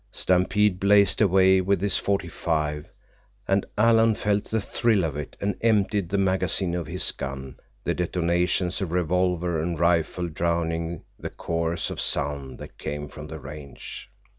Stampede blazed away with his forty five, and Alan felt the thrill of it and emptied the magazine of his gun, the detonations of revolver and rifle drowning the chorus of sound that came from the range.